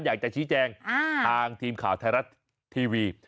อยากจะชี้แจงทางทีมข่าวไทยรัฐทีวี